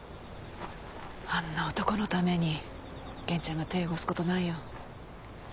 あんな男のために源ちゃんが手汚す事ないよ。